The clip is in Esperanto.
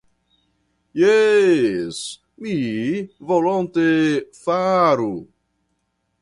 Jes, mi volonte faru.